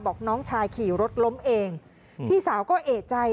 บอกน้องชายขี่รถล้มเองพี่สาวก็เอกใจ